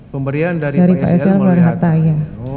pemberian dari pak s l melalui hatta